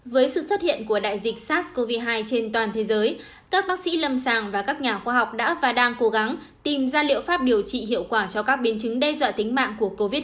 với sự xuất hiện của đại dịch sars cov hai trên toàn thế giới các bác sĩ lâm sàng và các nhà khoa học đã và đang cố gắng tìm ra liệu pháp điều trị hiệu quả cho các biến chứng đe dọa tính mạng của covid một mươi chín